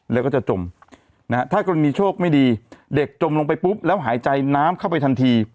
แล้วก็จะจมนะฮะถ้ากรณีโชคไม่ดีเด็กจมลงไปปุ๊บแล้วหายใจน้ำเข้าไปทันที